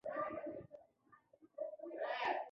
د اوبو څرخ هم لاسته راوړنه وه